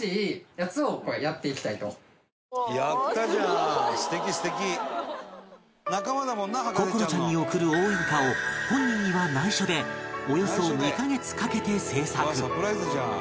今回心愛ちゃんが心愛ちゃんに贈る応援歌を本人には内緒でおよそ２カ月かけて制作